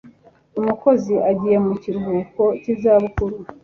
umukozi agiye mu kiruhuko cy izabukuru